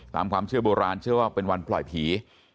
ตามความเชื่อโบราณเชื่อว่าเป็นวันปล่อยผี